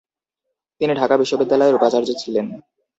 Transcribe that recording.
তিনি ঢাকা বিশ্ববিদ্যালয়ের উপাচার্য ছিলেন।